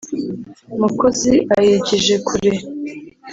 mukozi ayigije kure